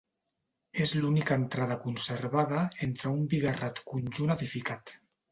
És l'única entrada conservada entre un bigarrat conjunt edificat.